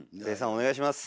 お願いします。